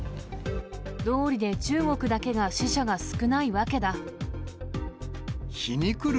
どうりで中国だけが死者が少皮肉る